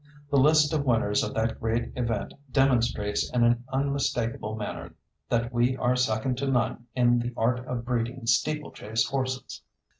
The list of winners of that great event demonstrates in an unmistakable manner that we are second to none in the art of breeding steeplechase horses.